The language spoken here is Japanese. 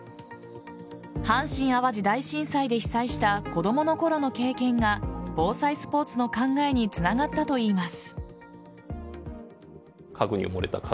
阪神・淡路大震災で被災した子供のころの経験が防災スポーツの考えにつながったといいます。